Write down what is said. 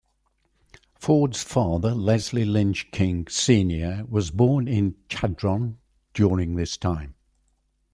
Ford's father Leslie Lynch King, Senior was born in Chadron during this time.